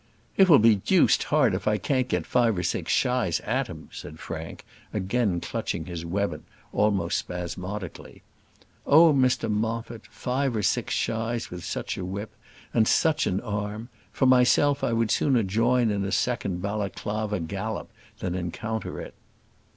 "It will be deuced hard if I can't get five or six shies at him," said Frank, again clutching his weapon almost spasmodically. Oh, Mr Moffat! five or six shies with such a whip, and such an arm! For myself, I would sooner join in a second Balaclava gallop than encounter it.